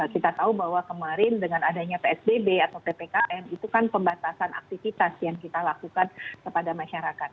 kita tahu bahwa kemarin dengan adanya psbb atau ppkm itu kan pembatasan aktivitas yang kita lakukan kepada masyarakat